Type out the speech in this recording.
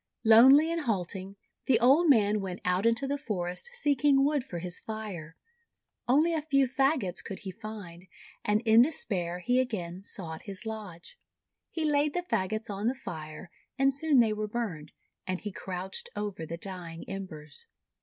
Lonely and halting, the old man went out into the forest seeking wood for his fire. Only a few fagots could he find, and in despair he again sought his lodge. He laid the fagots on the Fire, and soon they were burned; and he crouched over the dying embers.